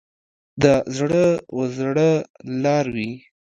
د زړه و زړه لار وي.